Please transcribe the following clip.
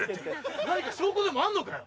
何か証拠でもあんのかよ？